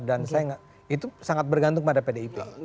dan saya itu sangat bergantung pada pdip